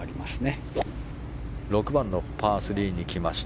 ６番のパー３に来ました。